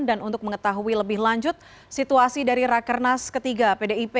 dan untuk mengetahui lebih lanjut situasi dari rekernas ketiga pdip